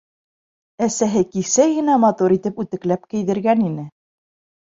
Әсәһе кисә генә матур итеп үтекләп кейҙергән ине.